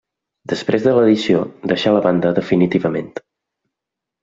Després de l'edició, deixa la banda definitivament.